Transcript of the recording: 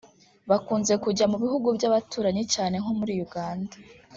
bakunze kujya mu bihugu by’abaturanyi cyane nko muri Uganda